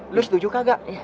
lu setuju kagak